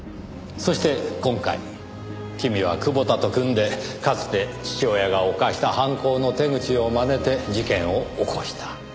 そして今回君は久保田と組んでかつて父親が犯した犯行の手口を真似て事件を起こした。